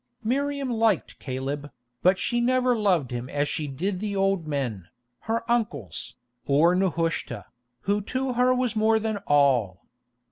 Miriam liked Caleb, but she never loved him as she did the old men, her uncles, or Nehushta, who to her was more than all.